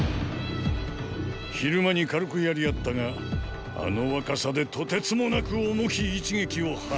昼間に軽く戦り合ったがあの若さでとてつもなく重き一撃を放つ。